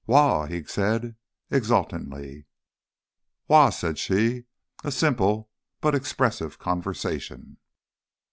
"Waugh!" he said exultantly. "Waugh!" said she a simple but expressive conversation.